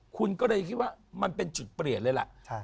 คุณก็เลยคิดว่ามันเป็นจุดเปลี่ยนเลยล่ะ